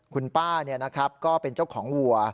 คุณป้าเนี่ยนะครับก็เป็นเจ้าของวัว